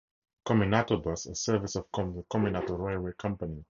Kominato Bus, a service of the Kominato Railway Company.